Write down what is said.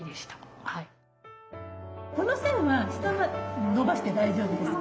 この線は下まで延ばして大丈夫です。